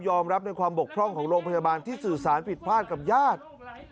รับในความบกพร่องของโรงพยาบาลที่สื่อสารผิดพลาดกับญาติ